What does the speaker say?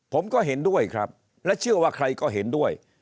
ผมก็เห็นด้วยครับและเชื่อว่าใครก็เห็นด้วย